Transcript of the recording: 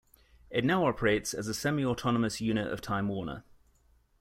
It now operates as a semi-autonomous unit of Time Warner.